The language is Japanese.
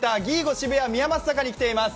渋谷宮益坂に来ています。